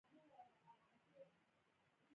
د مؤلده ځواکونو په ودې سره پخوانۍ اړیکې له منځه ځي.